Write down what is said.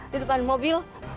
di depan mobil